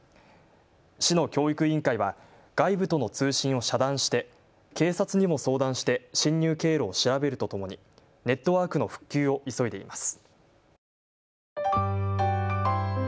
市の教育委員会は外部との通信を遮断して警察にも相談して侵入経路を調べるとともにネットワークの復旧を急いでいます。